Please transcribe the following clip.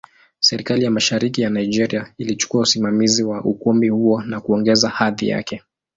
Serikali ya Mashariki ya Nigeria ilichukua usimamizi wa ukumbi huo na kuongeza hadhi yake.